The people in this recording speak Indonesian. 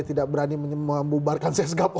tidak berani membubarkan sesgap